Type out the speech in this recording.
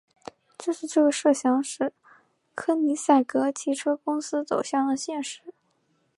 正是这个设想使柯尼塞格汽车公司走向了现实。